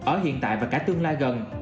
ở hiện tại và cả tương lai gần